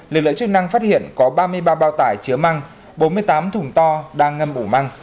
lực lượng chức năng phát hiện có ba mươi ba bao tải chứa măng bốn mươi tám thùng to đang ngâm bù măng